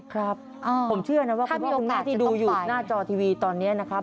ครับอ่าผมเชื่อนะว่าคุณพ่อคุณมาที่ดูอยู่หน้าจอทีวีตอนเนี้ยนะครับ